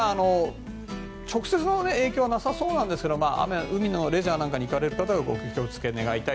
直接の影響はなさそうですが海のレジャーなんかに行かれる方はお気をつけください。